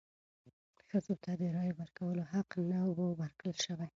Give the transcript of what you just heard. ښځو ته د رایې ورکولو حق نه و ورکړل شوی.